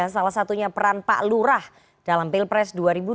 salah satunya peran pak lurah dalam pilpres dua ribu dua puluh